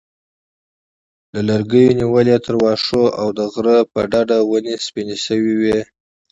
له لرګیو نیولې تر واښو او د غره په ډډه ونې سپینې شوې وې.